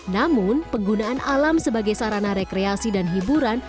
namun penggunaan alam sebagai sarana rekreasi dan hiburan